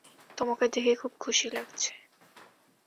তোমাকে দেখে খুব খুশি লাগছে।